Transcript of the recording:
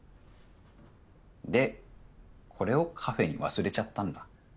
でこれをカフェに忘れちゃったんだ。